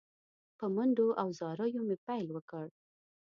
په منډو او زاریو مې پیل وکړ.